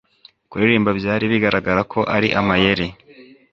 kuririmba byari bigaragara ko ari amayeri